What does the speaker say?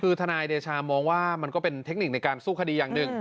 คือทนายเดชามองว่ามันก็เป็นเทคนิคในการสู้คดีอย่างหนึ่ง